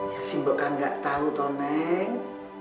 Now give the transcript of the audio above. ya sih mbak kan enggak tahu toneng